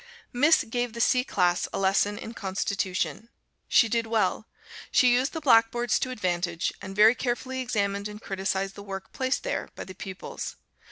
Miss gave the C class a lesson in Constitution. She did well. She used the blackboards to advantage, and very carefully examined and criticised the work placed there by the pupils.